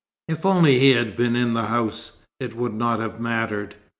If only he had been in the house, it would not have mattered.